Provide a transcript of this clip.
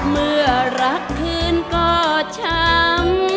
เมื่อรักกันก็ชื่นก็ช้ำ